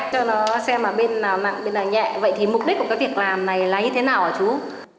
cho nó xem mà bên nào mặn bên nào nhẹ